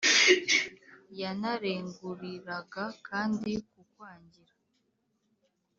yanarenguriraga kandi ku kwangira